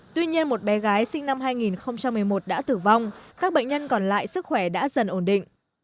tuy nhiên một bé gái sinh năm hai nghìn một mươi một đã tử vong các bệnh nhân còn lại sức khỏe đã dần ổn định